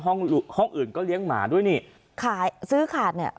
ห้องห้องอื่นก็เลี้ยงหมาด้วยนี่ขายซื้อขาดเนี่ย